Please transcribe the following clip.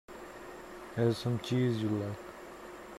Here's some cheese you like.